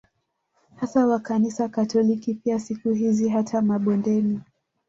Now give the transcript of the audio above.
Hasa wa kanisa katoliki pia Siku hizi hata mabondeni